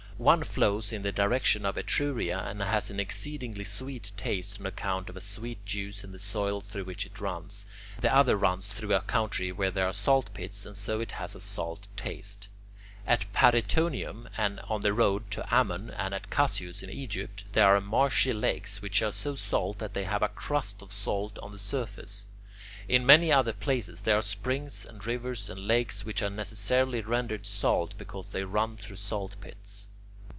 One flows in the direction of Etruria and has an exceedingly sweet taste on account of a sweet juice in the soil through which it runs; the other runs through a country where there are salt pits, and so it has a salt taste. At Paraetonium, and on the road to Ammon, and at Casius in Egypt there are marshy lakes which are so salt that they have a crust of salt on the surface. In many other places there are springs and rivers and lakes which are necessarily rendered salt because they run through salt pits.